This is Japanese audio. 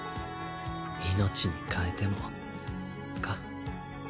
命に代えてもか。